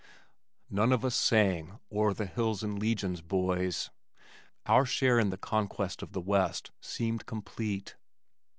None of us sang "O'er the hills in legions, boys." Our share in the conquest of the west seemed complete.